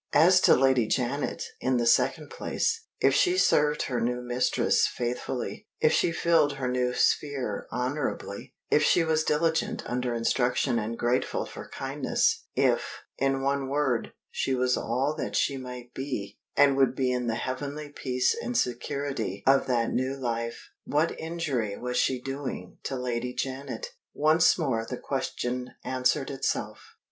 As to Lady Janet, in the second place. If she served her new mistress faithfully, if she filled her new sphere honorably, if she was diligent under instruction and grateful for kindness if, in one word, she was all that she might be and would be in the heavenly peace and security of that new life what injury was she doing to Lady Janet? Once more the question answered itself.